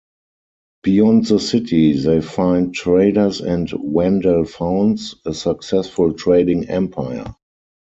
Beyond the city they find traders and Whandall founds a successful trading empire.